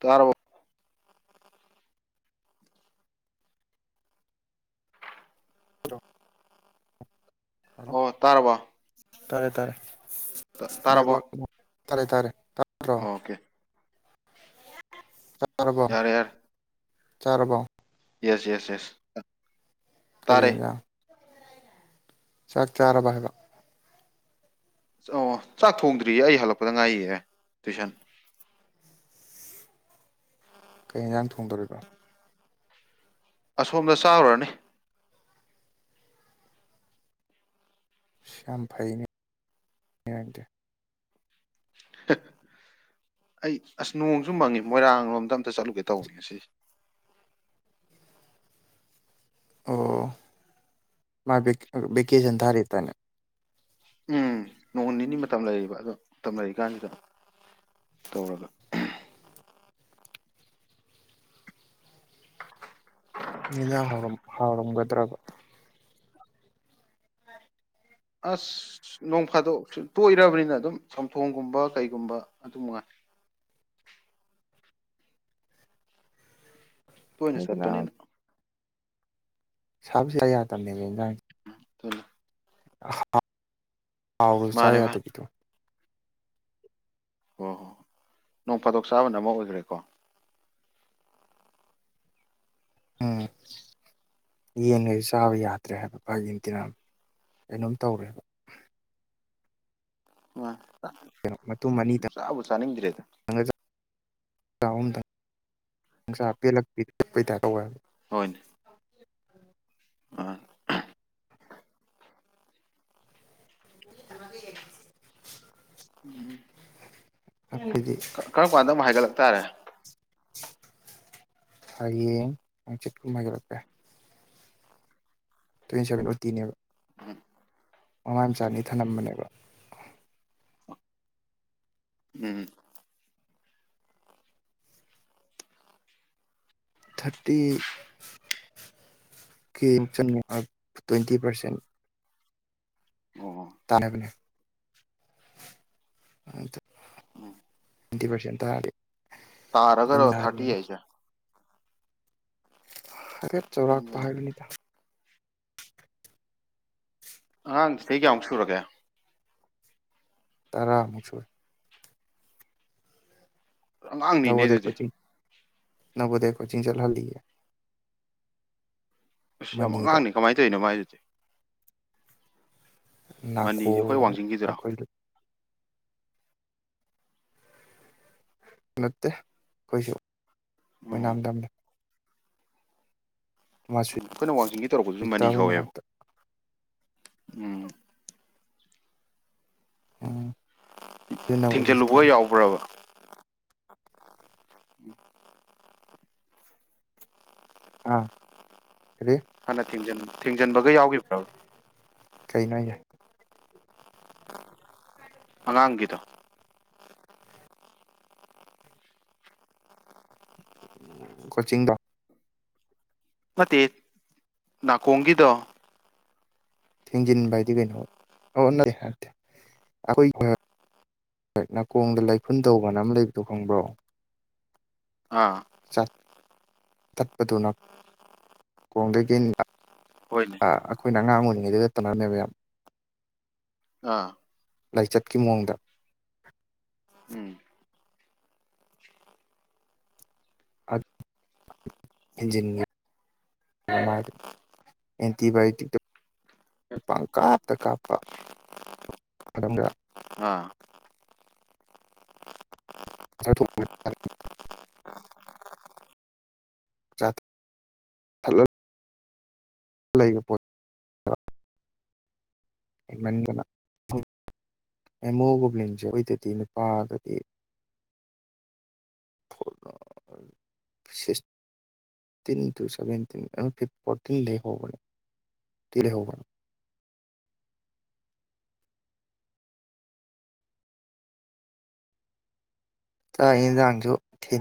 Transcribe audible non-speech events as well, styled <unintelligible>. car ꯆ꯭ꯔꯣ ꯑꯣ ꯇꯥꯔꯕꯣ ꯇꯥꯔꯦ ꯇꯥꯔꯦ ꯇꯥꯔꯕꯣ ꯅꯦꯠꯋꯥꯛ ꯇꯥꯔꯦ ꯇꯥꯔꯦ ꯇꯥꯠꯄꯔꯣ ꯑꯣꯀꯦ ꯌꯥꯔꯦ ꯌꯥꯔꯦ ꯆꯥꯔꯕꯣ ꯌꯦꯁ ꯌꯦꯁ ꯌꯦꯁ ꯀꯔꯤ ꯇꯥꯔꯦ ꯑꯦꯟꯁꯪ ꯆꯥꯛ ꯆꯥꯔꯕ ꯍꯥꯏꯕ ꯑꯣ ꯆꯥꯛ ꯊꯣꯡꯗ꯭ꯔꯤꯌꯦ ꯑꯩ ꯍꯜꯂꯛꯄꯗ ꯉꯥꯏꯔꯤꯌꯦ ꯇꯨꯏꯁꯟ ꯀꯩ ꯌꯦꯟꯖꯥꯡ ꯊꯣꯡꯗꯣꯔꯤꯕꯥ ꯑꯁꯣꯝꯗ ꯆꯥꯔꯨꯔꯅꯤ ꯌꯥꯝ ꯐꯩꯌꯦꯅꯦ ꯍꯥ ꯑꯩ ꯑꯁ ꯅꯣꯡꯁꯨ ꯃꯪꯉꯤ ꯃꯣꯏꯔꯥꯡꯂꯣꯝꯗ ꯑꯝꯇ ꯆꯠꯂꯨꯒꯦ ꯇꯧꯕꯅꯤ ꯉꯁꯤꯁꯦ ꯑꯣ ꯃꯥꯗꯤ ꯕꯀꯁꯟ ꯊꯔꯕꯥꯗꯥꯏꯅꯦ ꯎꯝ ꯅꯣꯡ ꯅꯤꯅꯤ ꯃꯇꯝ ꯂꯩꯔꯤꯕ ꯑꯗꯣ ꯃꯇꯝ ꯂꯩꯔꯤꯀꯥꯟꯁꯤꯗ ꯇꯧꯔꯒ ꯑꯦꯟꯁꯡ ꯍꯥꯎꯔꯝꯒꯗꯔ꯭ꯕ ꯑꯁ ꯅꯣꯡ ꯐꯥꯗꯣꯛ ꯁꯨ ꯇꯣꯛꯔꯛꯑꯕꯥꯅꯤꯅ ꯑꯗꯨꯝ ꯆꯝꯊꯣꯡꯒꯨꯝꯕ ꯀꯩꯒꯨꯝꯕ ꯑꯗꯨꯝꯃꯥꯉꯥꯏ ꯇꯣꯏꯅꯥ ꯆꯠꯄꯅꯤ ꯅꯥꯀꯣ ꯁꯥꯕꯁꯤꯗꯥ ꯌꯥꯗꯕꯅꯦ ꯊꯂꯣ ꯍꯥꯎꯔꯁꯨ ꯃꯥꯅꯦ ꯆꯥꯕꯥ ꯃꯥꯅꯦ ꯌꯥꯗꯕꯤꯗꯣ ꯍꯣꯏ ꯍꯣ ꯍꯣꯏ ꯅꯣꯡ ꯐꯥꯗꯣꯛ ꯆꯥꯕꯅ ꯑꯃ ꯑꯣꯏꯈ꯭ꯔꯦꯀꯣ ꯎꯝ ꯌꯦꯟꯉꯩꯁꯨ ꯆꯥꯕ ꯌꯥꯗ꯭ꯔꯦ ꯍꯥꯏꯕ ꯃꯥꯥꯏꯒꯤ ꯏꯟꯇꯤꯅꯥ ꯀꯩꯅꯣꯝ ꯇꯧꯔꯦꯕ ꯃꯇꯨꯝ ꯑ ꯑꯅꯤꯗꯪꯒ ꯆꯥꯕꯨ ꯆꯥꯅꯤꯡꯗ꯭ꯔꯦꯗ ꯑꯍꯨꯝꯗꯪ ꯄꯂ ꯍ ꯇꯒ ꯎꯝ ꯑꯩꯈꯣꯏꯗꯤ ꯀꯔꯝ ꯀꯥꯟꯗ ꯑꯃꯨꯛ ꯍꯥꯏꯒꯠꯂꯛ ꯇꯥꯔꯦ ꯍꯌꯦꯡ ꯍꯪꯆꯤꯠ ꯀꯨꯝꯕꯥ ꯍꯥꯏꯒꯠꯂꯛꯄ ꯌꯥꯏ ꯇ꯭ꯋꯦꯟꯚꯦꯟ ꯇꯅꯦꯕ ꯍ ꯃꯃꯥ ꯃꯆꯥꯅꯤ ꯊꯝꯂꯝꯝꯕꯅꯦꯕ ꯎꯝ ꯊꯥꯔꯇꯤ ꯀ ꯏ ꯇ꯭ꯋꯦꯟꯇꯤ ꯄꯔꯁꯦꯟ ꯑꯣ ꯇꯅꯦꯕꯅꯦ ꯑꯗ ꯎꯝ ꯇ꯭ꯋꯦꯟꯇꯤ ꯄꯔꯁꯦꯟ ꯇꯔꯗꯤ ꯇꯔ ꯑꯒꯔ ꯊꯥꯇꯤ ꯌꯥꯏꯁ ꯍꯥꯏꯔꯦꯠ ꯆꯥꯎꯧꯔꯥꯛꯄ ꯎꯝ ꯍꯥꯏꯔꯒꯅꯤꯗ ꯑꯉꯥꯡꯁꯤꯗꯒꯤ ꯀꯌꯥꯃꯨꯛ ꯁꯨꯔꯒꯦ ꯇꯔꯥ ꯃꯨꯆꯨꯔ ꯑꯉꯥꯡꯅꯤꯅꯦ ꯑꯗꯨꯗꯤ ꯅꯒꯣꯗꯌꯥ ꯀꯣꯆꯤꯡ ꯆꯜꯍꯥꯜꯂꯤꯦ ꯑꯁ ꯌꯥꯝ ꯑꯉꯥꯡꯅꯤ ꯀꯃꯥꯏꯅ ꯇꯧꯔꯤꯅꯣ ꯃꯥꯏꯗꯨꯗꯤ ꯅꯅꯥꯀ ꯃꯅꯤꯁꯦ ꯑꯩꯈꯣꯏ ꯋꯥꯡꯖꯤꯡꯒꯤꯗꯨꯔꯥ ꯑꯩꯈꯣꯏ ꯅꯠꯇꯦ ꯑꯩꯈꯣꯏꯁꯨ ꯎꯝ ꯑꯣꯏꯅꯥꯝ ꯇꯝꯅꯤ ꯎꯝ ꯃꯥꯁꯨꯇꯥ ꯑꯩꯈꯣꯏꯅ ꯋꯥꯡꯖꯤꯡꯒꯤ ꯇꯧꯔꯛꯄꯗꯨꯁꯨ ꯃꯅꯤ ꯍꯣꯏ ꯍꯧꯧꯋꯦꯕ ꯃꯅꯥꯛꯇ ꯎꯝ ꯎꯝ ꯁꯤ ꯅꯕꯣꯗꯤꯌꯥ ꯊꯤꯡꯖꯤꯜꯂꯨꯕ ꯁꯥꯇ꯭ꯔꯅꯤ ꯌꯥꯎꯕ꯭ꯔꯕ ꯎ ꯑꯥ ꯀꯔꯤ ꯍꯥꯟꯅ ꯊꯟ ꯊꯤꯡꯖꯤꯟꯕꯒ ꯌꯥꯎꯈꯤꯕ꯭ꯔ ꯀꯩꯅꯣ ꯌꯥꯏ ꯑꯉꯥꯡꯒꯤꯗ ꯀꯣꯆꯤꯡꯗ ꯅꯠꯇꯦ ꯅꯥꯀꯣꯡꯒꯤꯗ ꯊꯦꯡꯖꯤꯟꯕ ꯍꯥꯏꯗꯤ ꯀꯩꯅꯣ ꯑꯣ ꯅꯠꯇꯦꯦ ꯑꯩꯈꯣꯏ ꯍ ꯅꯥꯀꯣꯡꯗ ꯂꯥꯏꯐꯨꯟ ꯇꯧꯕꯅ ꯑꯃ ꯂꯩꯕꯗꯣ ꯈꯪꯕ꯭ꯔꯣ ꯑꯥ ꯇꯠꯄꯗꯨꯅ ꯈꯣꯡꯗꯒꯤ ꯍꯣꯏꯅꯦ ꯑꯩꯈꯣꯏꯅ ꯑꯉꯥꯡ ꯑꯣꯏꯔꯤꯉꯩꯗꯨꯗ ꯇꯅꯝꯅꯦꯕ ꯌꯥꯝ ꯑꯥ ꯂꯥꯏꯆꯠꯀꯤ ꯃꯑꯣꯡꯗ ꯎꯝ ꯏꯟꯖꯤꯅꯤ ꯑꯦꯟꯇꯤꯕꯥꯣꯇꯤ ꯅꯤꯄꯥꯡ ꯀꯥꯞꯇ ꯀꯥꯞꯄ ꯃꯇꯝ ꯑꯥ <unintelligible> ꯍꯜꯂꯣ ꯂꯩ ꯂꯩꯒ ꯗ ꯑꯃꯣ ꯒꯣꯕꯂꯤꯟꯁꯦ ꯑꯣꯏꯗꯗꯤ ꯅꯨꯄꯥꯒꯗꯤ ꯐ ꯁꯤ ꯇꯤꯟ ꯏꯟꯨꯚꯦꯟꯇꯤꯟ ꯐꯤ ꯐꯣꯔꯇꯤꯟ ꯂꯩ ꯍꯕꯅꯦ ꯇꯔꯍꯧꯧꯕ ꯑ ꯇ ꯑꯩꯥꯡꯁꯨ ꯊ